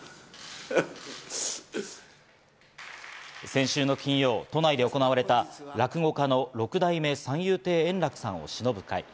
先週金曜、都内で行われた、落語家の六代目三遊亭円楽さんをしのぶ会。